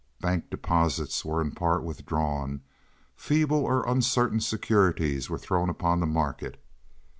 Bank deposits were in part withdrawn; feeble or uncertain securities were thrown upon the market.